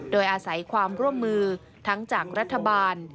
โดยอาศัยความร่วมมือทั้งจากรัฐบาล